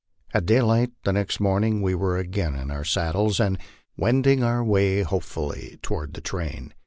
At daylight the next morning we were again in our saddles and wending our way hopefully toward the train.